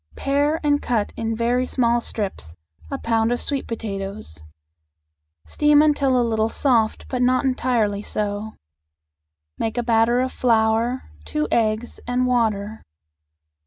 Pare and cut in very small strips a pound of sweet potatoes. Steam until a little soft, but not entirely so. Make a batter of flour, two eggs, and water.